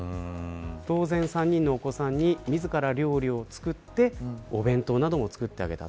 ３人のお子さんに自ら料理を作ってお弁当なども作ってあげた。